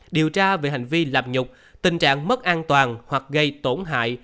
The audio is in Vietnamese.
điều tra về hành vi làm nhục tình trạng mất an toàn hoặc gây tổn hại